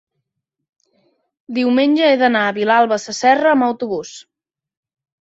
diumenge he d'anar a Vilalba Sasserra amb autobús.